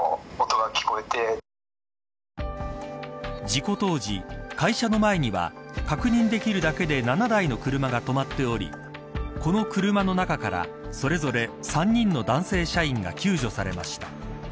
事故当時、会社の前には確認できるだけで７台の車が止まっておりこの車の中からそれぞれ３人の男性社員が救助されました。